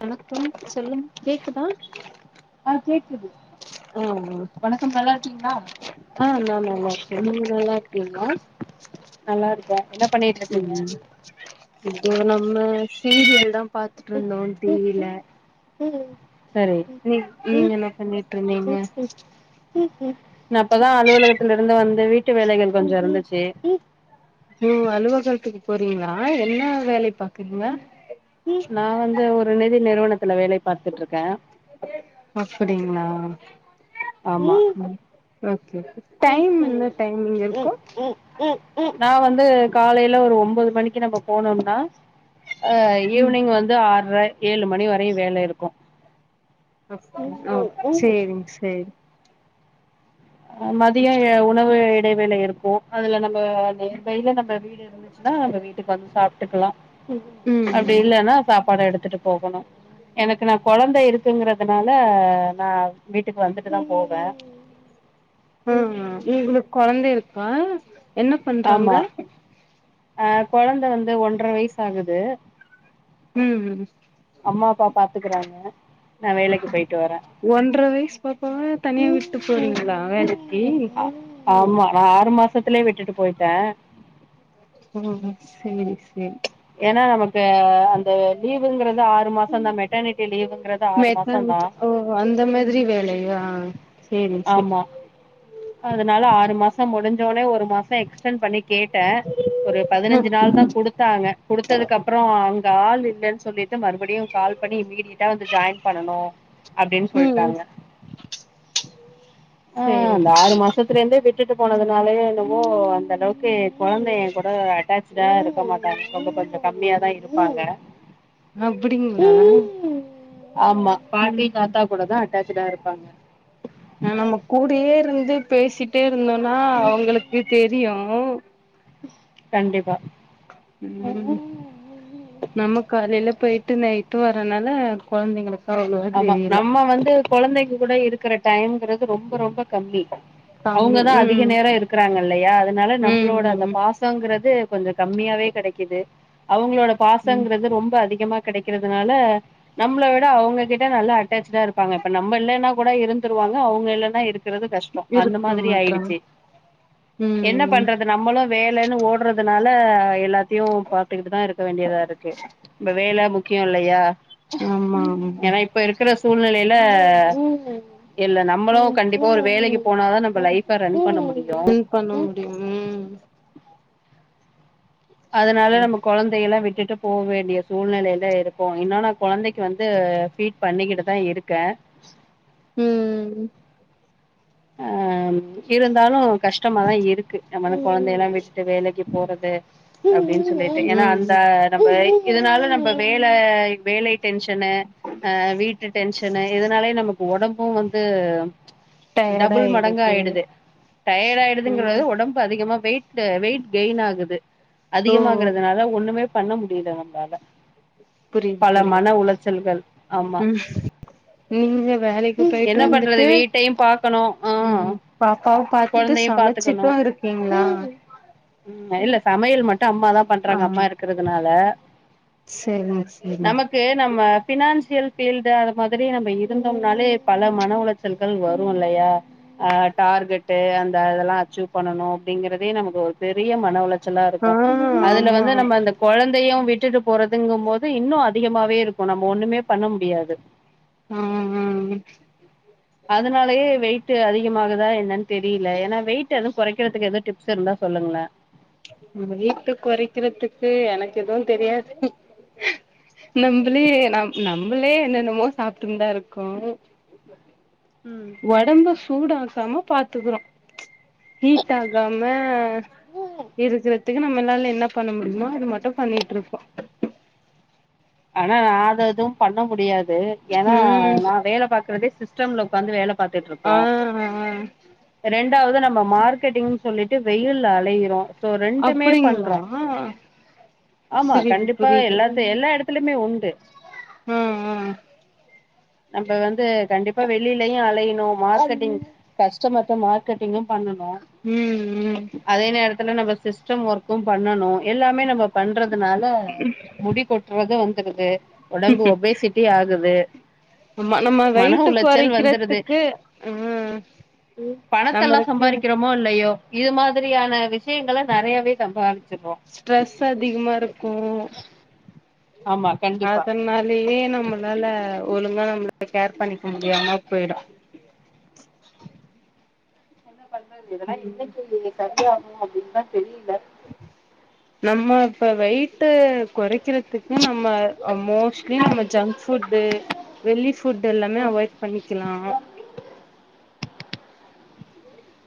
வணக்கம் சொல்லுங்க கேக்குதா ஆ கேக்குது ஆ ஆ ம் வணக்கம் நல்லா இருக்கீங்களா ஆ நா நல்லா இருக்கே நீங்க நல்லா இருக்கீங்ளா நல்லா இருக்கே என்ன பண்ணிட்டு இருக்கீங்க இப்போ நம்ம சீரியல் தா பாத்துட்டு இருந்தோம் டி வி ல சரி நீங்க என்ன பண்ணிட்டு இருந்தீங்க நா இப்பதா அலுவலகத்துல இருந்து வந்து வீட்டு வேலைகள் கொஞ்சோ இருந்துச்சு ம் அலுவகலத்துக்கு போறீங்ளா என்ன வேலை பாக்குறீங்க நா வந்து ஒரு நிதி நிறுவனத்துல வேலை பாத்துட்டு இருக்கே அப்படிங்ளா ஆமா டைம் என்ன டைமிங் இருக்கு நா வந்து காலைல ஒரு ஒன்பது மணிக்கு கி நம்ம போனோம்னா அ ம் ஈவ்னிங் வந்து ஆற்ர ஏழு மணி வரையு வேல இருக்கு ஓ சேரிங் சேரி அ மதியோ உணவு இடைவேளை இருக்கு அதுல நம்ம நியர்பைல நம்ம வீடு இருந்துச்சுன்னா நம்ம வீட்டுக்கு வந்து சாப்டுக்கலா அப்டி ம் இல்லன்னா சாப்பாடு எடுத்துட்டு போகணு எனக்கு நா கொழந்த இருக்குங்கறதுனால நா வீட்டுக்கு வந்துட்டுதா போவே ம் ம் உங்களுக்கு கொழந்த இருக்கா என்ன பண்றாங்க அ கொழந்த வந்து ஒன்ரை வயசு ஆகுது ம் ம் அம்மா அப்பா பாத்துக்குறாங்க நா வேலைக்கு போயிட்டு வரே ஒன்ரை வயசு பாப்பாவ தனியா விட்டுட்டு போறீங்ளா வேலைக்கி அ ஆமா நா ஆறு மாசத்துலயே விட்டுட்டு போயிட்டே ம் சேரி சேரி ஏன்னா நமக்கு அந்த லீவுங்கிறது ஆறு மாசம் தா மெட்டர்னிட்டி லீவுங்கிற மெட்டர்னிட்டி ஓ அந்த மாதிரி வேலையா சேரி சேரி ஆமா அதனால ஆறு மாசோ முடிஞ்சோனே ஒரு மாச எக்ஸ்டென் பண்ணி கேட்ட ஒரு ம் பதினஞ்சு நாள் தா கொடுத்த தாங்க குடுத்ததுக்கு அப்பறோ அங்க ஆள் இல்லன்னு சொல்லிட்டு மறுபடியு கால் பண்ணி இமீடியட்டா வந்து ஜாயின் பண்ணனு அப்டின்னு ம் சொல்ட்டாங்க ஆ சேரிங் ஆறு மாசத்துல இருந்தே விட்டுட்டு போனதுனாலே என்னவோ அந்த அளவுக்கு எ குழந்தை எ கூட அட்டாச் சார் இருக்க மாட்டாங்க ரொம்ப கொஞ்ச கம்மியாதா இருப்பாங்க அப்படிங்களா ஆமா பாட்டி தாத்தா கூட தா அட்டாச்சுடுடா இருப்பாங்க அ நம்ம கூடயே இருந்து பேசிட்டே இருந்தோனா அவுங்களுக்கு தெரியு கண்டிப்பா ம் நம்ம காலையில போயிட்டு நைட்டு வறனால குழந்தைங்களுக்கு ஆமா நம்ம வந்து குழந்தைங்க கூட இருக்கற டைம்ங்கிறது ரொம்ப ரொம்ப கம்மி கம்மி அவுங்கதா அதிக ம் நேரோ இருக்கறாங்க இல்லையா அதனால ம் நம்மளோட அந்த ம் பாச சோங்கறது கொஞ்சோ கம்மியாவே கடைக்குது அவுங்களோட ம் பாசங்கிறது ரொம்ப அதிகமா கெடைக்கிறதுனால நம்மள விட அவுங்க கிட் ட நல்லா அட்டாச்சுடா இருப்பாங்க இப்ப நம்ப இல்லனா கூட இருந்துருவாங்க அவுங்க இல்லன்னா இருக் கறது கஷ்டோ அந்த இருக்க மாதிரி மாட்றாங்க ஆயிடுச்சு என்ன ம் ம் பண்ற நம்மளு வேலன்னு ஓடுறதுனால எல்லாத் தியு பாத்துக்கிட்டு தா இருக்க வேண்டியதா இருக்கு இப்ப வேல முக்கியோ இல்லயா ஆமா ஆமா இப்ப இருக்கற சூழ்நிலையில இல்ல நம்மளு கண்டிப்பா ஒரு வேலைக்கு போனாதா நம்ப லைஃப ரன் பண்ண முடியு ரன் பண்ண முடியு ம் அதனால சரி நமக்கு கொழந்தையெல்லா விட்டுட்டு போ வேண்டிய சூழ்நலையில இருக்கோ இன்னு நா கொழந்தைக்கு வந்து ஃபீட் பண்ணிக்கிட்டு தா இருக்க ம் ம் ம் அ இருந்தாலு கஷ்டமாதா இருக் கு நம்மன கொழந்தையெல்லா விட்டுட்டு வேலைக்கு போறது அப்டின்னு சொல்லிட்டு ஏன்னா ம் அந்த நம்மை இதனால நம்ப வேல வேலை டென்ஷனு அ வீட்டு டென்ஷன்னு இதனாலேயே நமக்கு ஒடம்பு வந்து டபுள் மடங்கு ஆயிடுது டயர்டு ஆயிடுதுங்கறது ம் ஒடம் பு அதிகமா வெயிட்டு வெயிட் கெயின் ஆகுது ஓ அதிகமாகறதுனால ஒண்ணுமே பண்ண முடியல நம்மளால புரியுது பல மன புரியுது உளைச்சல்கள் ஆமா ம் நீங்க வேலைக்கு போயிட்டு என்ன பண்றது வந்துட்டு வீட்டையு பாக் கணு ஆ ம் பாப்பாவ பாத்துட்டு கொழந்தையு பாத்துக்கணு சமைச்சிட்டு இருக்கீங்களா ம் இல்ல சமையல் மட் டு அம்மா தா ஆ பண்றாங்க அம்மா இருக்கறதுனால செரிங்க செரிங்க நமக் கு நம்ம ஃபினான்சியல் ஃபீல்டு அது மாதிரி நம்ப இருந்தோம்னாலே பல மன உளைச்சல்கள் வரு வரு இல்லையா அ டார்கெட்டு அந்த அதெல்லா அச்சீவ் பண்ணணு‌ அப்படிங்கறதே நமக்கு ஒரு பெரிய மன உள ச்சல்லா ஆ இருக்கு அதுல ஆமா வந்து நம்ம அந்த குழந்தையு விட்டுட்டு போறதுங்கும் போது இன்னு அதிகமாவே இருக்கு நம்ம ஒண்ணுமே பண்ண முடியாது ஆ‌ ஆ ஆ அதனாலயே வெயிட் அதிகமாகுதா என்னன்னதெரில எனா வெயிட் எது கொறைக்கறதுக்கு எதா டிப்ஸ் இருந்தா சொல்லுங்ளே நம்ம வெயிட்ட கொறைக்கிறதுக்கு எனக்கு எதுவு தெரியாது நம்பளே நம் நம்பளே என்னென்னமோ சாப்ட்டுனுதா இருக்கோ ம் ஒடம்பு சூடாகாம பாத்துக்றோ ஹீட் ஆகாம இருக்குறதுக்கு நம்மனால என்ன பண்ண முடியுமோ அத மட்டு பண்ணிட்ருப்போ ஆனா நா அது எது பண்ண முடியாது எனா ம் நா வேல பாக்குறதே சிஸ்டம்ல உக்காந்து வேல ஆ பாத்துட்ருப்போ ஆ ரெண்டாவது நம்ப மார்க்கெட்டிங்னு சொல்லிட்டு வெயில்ல அலையிறோ சோ ரெண்டுமே அப்டிங்களா பண்றோ ஆமா புரியுது கண்டிப்பா எல்லாரு எல்லா இடத்துலயுமே உண்டு ம் ம் நம்ப வந்து கண்டிப்பா வெளிலயு அலைணு மார்க்கட்டிங் கஸ்டமர்ட்ட மார்க்கெட்டிங்கு பண்ணனு ம் ம் அதே நேரத்துல நம்ம சிஸ்டம் ஒர்க்கு பண்ணனு எல்லாமே நம்ப பண்றதுனால முடி கொட்டுறது வந்துருது ஒடம்பு ஒபேசிட் டி ஆகுது ஆமா நம்ம மன வெயிட்டு உளைச்சல் கொறைக்கிறதுக்கு ஆ ம் பணத்தெல்லா நம்மளுக்கு சம்பாரிக்குறப் மோ இல்லயோ இது மாதிரியான விஷயங்கல நறையாவே சம்பாரிச்சிருவோ ஸ்ட்ரெஸ் அதிகமா இருக்கு ஆமா கண்டிப்பா அதனாலயே நம்மளால ஒழுங்கா நம்மள கேர் பண்ணிக்க முடியாம போய்டு என்ன பண்றது இதெல்லா என்னிக்கி இங்க செரியாகு அப்டின்தா தெரில நம்ம இப்ப வெயிட்டு கொறைக்கிறதுக் நம்ம ஆ மோஸ்ட்லி நம்ம ஜங்க் ஃபுட்டு வெளி ஃபுட் எல்லாமே ம் அவாய்ட் பண்ணிக்கலா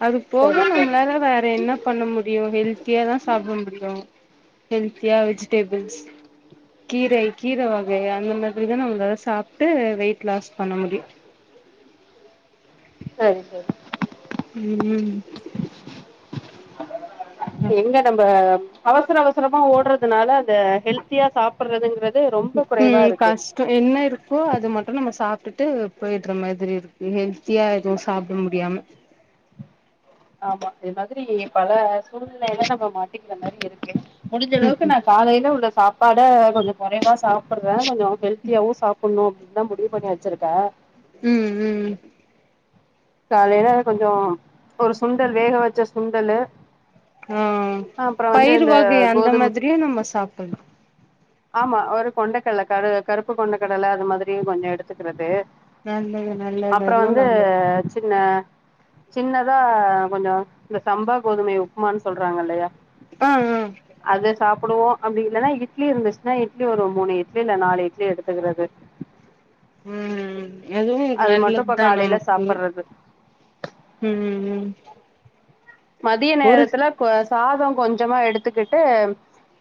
அது போக சரி சரி நம்மளால வேற என்ன பண்ண முடியும் ஹெல்த்தியா தான் சாப்பட முடியு ஹெல்த்தியா வெஜிடேபிள்ஸ் கீரை கீர வகை அந்த மாதிரிதா நம்ளால சாப்ட்டு வெயிட் லாஸ் பண்ண முடியு சரி சரி ம் ம் எங்க நம்ப அவசர அவசரமா ஓடுறத் அதனால அந்த ஹெல்த்தியா சாப்பட்றதுங்கறது ரொம்ப குறைவா இருக்கு சோ என்ன இருக்கோ அது மட்டு நம்ம சாப்ட்டுட்டு போய்ட்ற மாதிரி இருக்கு ஹெல்த்தியா எது சாப்ட முடியாம ஆமா இது மாதிரி பல சூழ்நிலைல நம்ம மாட்டிக்கிற மாரி இருக்கு முடிஞ்ச அளவுக்கு ம் நா காலைல உள்ள சாப்பாட கொஞ்சோ குறைவா சாப்பட்றே கொஞ்சோ ஹெல்த்தியாவு சாப் பண்ணு அப்டின்தா முடிவு பண்ணி வெச்சிருக்கே ம் ம் காலைல கொஞ்சோ ஒரு சுண்டல் வேக வெச்ச சுண்டலு ஆ அப்புறோ வந்து பயிரு இந்த வகை அந்த கோதும மாதிரியு நம்ம சாப்பல்லா ஆமா ஒரு கொண்டக்கடல கரு கருப்பு கொண்டக்கடல அது மாதிரியு கொஞ்சோ எடுத்துக்குறது நல்லது நல்லது அப்றோ அதுவு வந்து நல்லது சின்ன சின்னதா கொஞ்சோ இந்த சம்பா கோதுமை உப்புமான் சொல்றாங்கலையா ஆ ஆ அது சாப்புடுவோ அப்டி இல்லன்னா இட்லி இருந்துசுனா இட்லி ஒரு மூணு இட்லி இல்ல நாலு இட்லி எடுத்துக்குறது ம் அதுவு எனக்கு அது மட்டு இப்ப நல்லத்தா காலையில நமக்கு சாப்பிடுறது ம் ம் மதிய ஒரு நேரத்துல கொ சாதோ கொஞ்சமா எடுத்துக்கிட்டு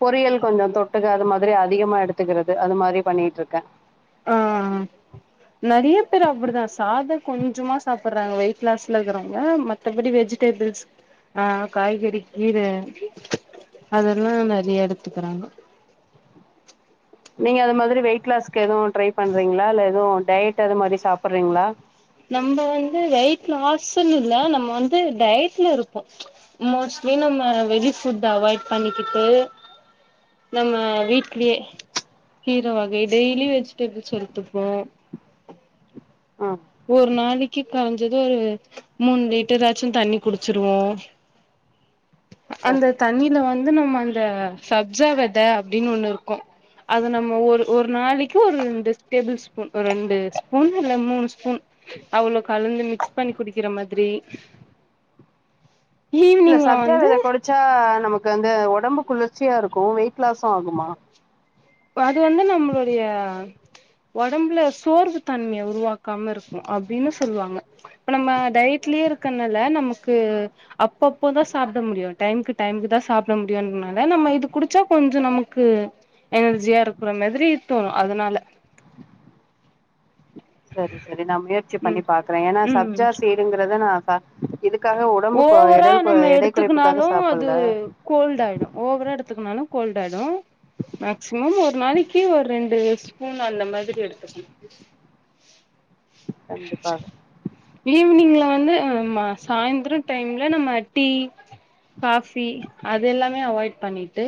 பொரியல் கொஞ்சோ தொட்டுக்க அது மாதிரி அதிகமா எடுத்துக்றது அது மாதிரி பண்ணிட்ருக்கே ஆ நறிய பேர் அப்டிதா சாதோ கொஞ்சோமா சாப்ட்றாங்க வெயிட் லாஸ்ல இருக்றவங்க மத்தபடி வெஜிடே பிள்ஸ் ஆ காய்கறி கீர அதெல்லா நெ றைய எடுத்துக் றாங்க நீங்க அத மாரி வெயிட் லாஸ்க்கு எதுவும் ட்ரை பண்றீங்களா இல்ல எதுவும் டயட் அது மாதிரி சாப்ட்றீங்களா நம்ப வந்து வெயிட் லாஸ்ன்னு இல்ல நம்ம வந்து டயட்லருப்போ மோஸ்ட்லி நம்ம வெஜி ஃபுட் அவாய்ட் பண்ணிகிட்டு நம்ம வீட்லயே கீர வகை டெய்லியு வெஜிடெபிள்ஸ் எடுத்துப்போ அ ஒரோரு நாளக்கி கொரஞ்சது மூணு லிட்டராச்சு தண்ணி குடிச்சிர்வோ சரி அந்த தண்ணில வந்து நம்ம அந்த சப்ஜா வெத அப்டின்னு ஒண்ணு ருக்கும் அது நம்ம ஒரு ஒரு நாளக்கீ ஒரு ரெண்டு டேபுள் ஸ்பூன் ரெண்டு ஸ்பூன் இல்ல மூணு ஸ் பூன் அவ்ளோ கலந்து மிக்ஸ் பண்ணி குடிக்கிற மாதிரி இல்ல ஈவினிங்ல சப்ஜா வெத வந்து கொடிச்சா நமக்கு அந்த உடம்பு குளிர்ச்சியாருக்கு வெயிட் லாஸும் ஆகுமா அது வந்து நம்மளுடைய ஒடம்புல சோர்வு தன்மய உருவாக்காம ருக்கு அப்டின்னு சொல்வாங்க இப்ப நம்ம டயட்லயே இருக்கனால நமக்கு அப்பப்போதா சாப்ட முடியு டைம்கு டைம்கு தா சாப்ட முடியுனால நம்ம இத குடிச்சா கொஞ்சோ நமக் கு எனர்ஜியா இருக்ற மாதிரி தோணு அதனால சரி சரி நா முயற்சி பண்ணி ம் பாக்குறே ஏன்னா ம் சப்ஜா சீடுங்றது நா இதுக்காக உடம்பு கொறை ஓவரா எடல் கொறை நம்ம எடை குறைப்புக்காக எடுத்துக்குனாலு அது சாப்பிட்ல கோல்ட் ஆயிடு ஓவரா எடுத்துக்குனாலு கோல்ட் ஆயிடும் மேக்சிமம் ஒரு நாளக்கீ ஒரு ரெண்டு ஸ்பூன் அந்த மாரி எடுத்துக்கணு கண்டிப்பாக ஈவி்னிங்ல வந்து அ ம சாய்ந்ரோ டைம்ல நம்ம டீ காஃபி அது எல்லாமே அவாய்ட் பண்ணிட்டு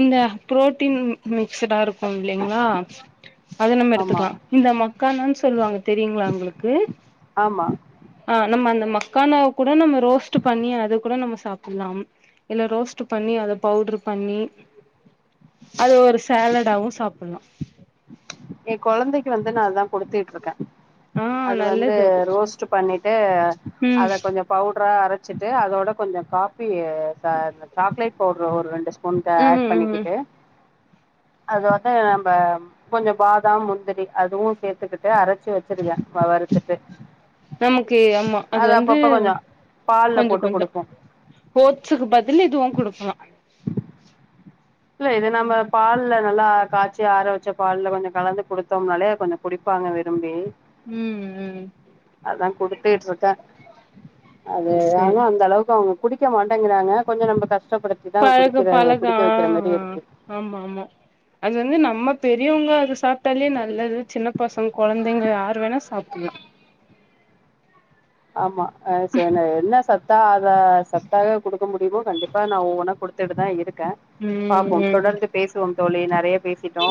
இந்த ப்ரோட்டீன் மிக்ஸ்ஸுடா இருக்கு இல்லைங்ளா அது நம்ம ஆமா எடுத்துக்லா இந்த மக்கானானு சொல்வாங்க தெரியுங்ளா உங்களுக்கு ஆமா ஆ நம்ம அந்த மக்கானாவ கூட நம்ம ரோஸ்ட் பண்ணி அது கூட நம்ம சாப்ட்லாம் இல்ல ரோஸ்ட் பண்ணி அத பவுட்ரு பண்ணி அது ஒரு சேலடாவு சாப்ட்லா ஏ கொழந்தைக்கு வந்து நா அதா கொடுத்துட்டு ருக்கே ஆ அது வந்து நல்லது அது ரோஸ்ட் பண்ணிட்டு ம் அத கொஞ்சோ பவ்ட்ரா அரச்சிட்டு அதோட கொஞ்சோ காபி சா சாக்லேட் பவ்ட்ர் ஒரு ரெண்டு ஸ்பூன் ஒன்கா ஆட் ம் ம் பண்ணிக்கிட்டு அத வந்து நம்ப கொஞ்சோ பாதாம் முந்திரி அதுவு சேத்துக்கிட்டு அரச்சி வச்சுருவே வ வறுத்துட்டு நமக்கு ஆமா அது வந்து அப்பப்ப கொஞ்சோ பால்ல கொஞ்சோ போட்டு கொஞ்சோ குடுப்போ ஓட்ஸுக்கு பதில் இதுவு குடுக்கலா இல்ல இது நம்ம பால்ல நல்லா காச் சி ஆற வெச்ச பால்ல கொஞ்சோ கலந்து குடுத்தோம்னாலே கொஞ்சோ குடிப்பாங்க விரும்பி ம் ம் அதா குடுத்துட்டு இருக்கே. அது சேரி அவனு அந்த அளவுக்கு அவ குடிக்க மாட்டேங்குறாங்க கொஞ்ச நம்ம கஷ்டப்படு பழக பழக ஆ ஆ ஆமா ஆமா அது வந்து நம்ம பெரியவங்க அது சாப்ட்டாலே நல்லது சின்ன பசங்க கொழந்தைங்க யார் வேணா சாப்புலா ஆமா ஆ செனா என்ன சாப் டா அத சத்தாவே குடுக்க முடியுமு கண்டிப்பா நா ஒவ்வொன்னா குடுத்துட்டு தா இருக் கே பாப்போ ம் ம் தொடர்ந்து பேசுவோம் தோழி நெறைய பேசிட்டோ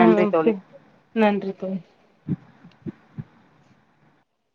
ஆ நன்றி தோழி செ நன்றி தோழி